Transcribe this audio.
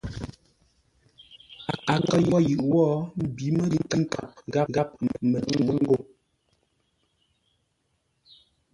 A kə wo yʉʼ wó ḿbí mətʉ̌ nkâp gháp məcʉŋʉ́ ngô.